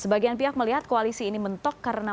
sebagian pihak melihat koalisi ini mentok karena